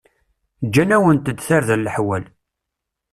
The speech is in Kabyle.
Gǧan-awent-d tarda leḥwal.